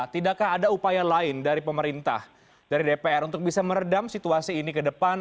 tidakkah ada upaya lain dari pemerintah dari dpr untuk bisa meredam situasi ini ke depan